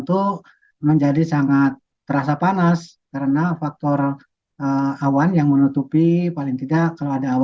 suhu di indonesia akan memasuki musim kemarau